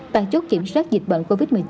tại chốt kiểm soát dịch bệnh covid một mươi chín